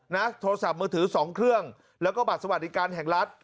โทรศัพท์มือถือสองเครื่องแล้วก็บัตรสวัสดิการแห่งรัฐ